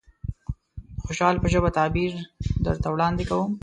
د خوشحال په ژبه تعبير درته وړاندې کوم.